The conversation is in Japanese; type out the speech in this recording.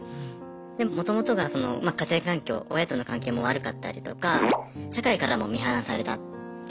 でももともとがその家庭環境親との関係も悪かったりとか社会からも見放されたって思っていて。